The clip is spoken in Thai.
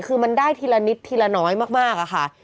คือมันได้ทีละนิดทีละน้อยมากอะค่ะ